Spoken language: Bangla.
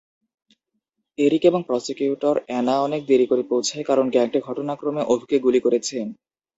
এরিক এবং প্রসিকিউটর অ্যানা অনেক দেরি করে পৌঁছায়, কারণ গ্যাংটি "ঘটনাক্রমে" ওভকে গুলি করেছে।